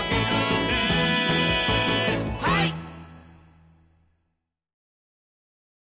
はい！